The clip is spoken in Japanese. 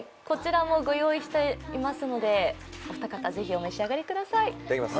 こちらもご用意していますのでお二方ぜひお召し上がりください。